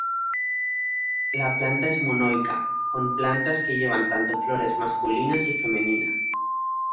La planta es monoica, con plantas que llevan tanto flores masculinas y femeninas.